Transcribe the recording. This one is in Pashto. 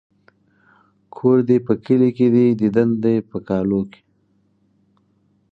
ـ کور دې په کلي کې دى ديدن د په کالو.